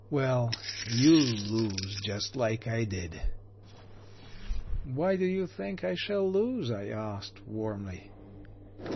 Well, you'll lose just like I did." "Why do you think I shall lose?" I asked warmly.